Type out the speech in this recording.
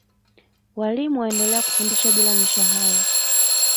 Walimu wendelea kufundisha bila mishahara